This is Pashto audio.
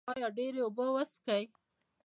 ایا ډیرې اوبه څښئ؟